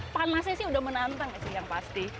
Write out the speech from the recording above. bahkan nasi sih udah menantang sih yang pasti